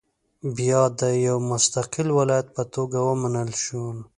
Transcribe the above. بیا د یو مستقل ولایت په توګه ومنل شول.